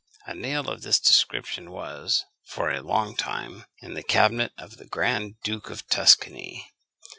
A nail of this description was, for a long time, in the cabinet of the Grand Duke of Tuscany.